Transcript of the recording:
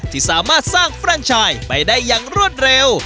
ที่สามารถสร้างแร่งชายไปได้อย่างรวดเร็ว